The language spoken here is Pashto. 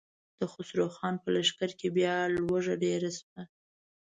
د خسرو خان په لښکر کې بيا لوږه ډېره شوه.